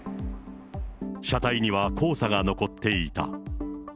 車体には黄砂が残っていた。